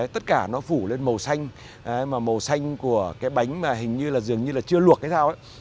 tất cả nó phủ lên màu xanh mà màu xanh của cái bánh mà hình như là dường như là chưa luộc hay sao